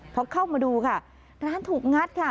พอเข้ามาดูค่ะร้านถูกงัดค่ะ